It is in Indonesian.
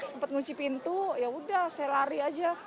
sempat ngunci pintu yaudah saya lari aja